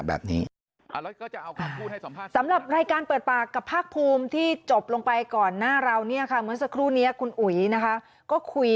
แล้วก็มีความลับอยู่ที่เป็นข้อต่อสู้ในคลิปด้วย